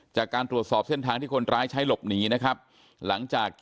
จากการตรวจสอบเส้นทางที่คนร้ายใช้หลบหนีนะครับหลังจาก